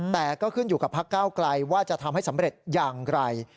แต่ก็ขึ้นอยู่กับพักเก้าไกลว่าจะทำให้สำเร็จอย่างไร